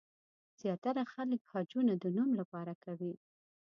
زیاتره خلک حجونه د نوم لپاره کوي.